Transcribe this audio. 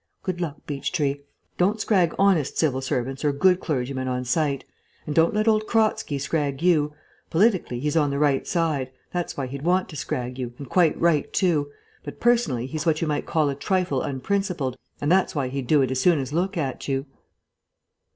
Good luck, Beechtree. Don't scrag honest civil servants or good clergymen on sight. And don't let old Kratzky scrag you. Politically he's on the right side (that's why he'd want to scrag you, and quite right, too), but personally he's what you might call a trifle unprincipled, and that's why he'd do it as soon as look at you."